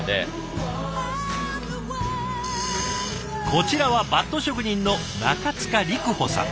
こちらはバット職人の中塚陸歩さん。